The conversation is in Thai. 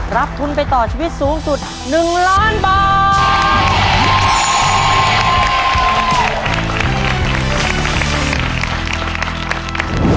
รับทุนไปต่อชีวิตสูงสุด๑ล้านบาท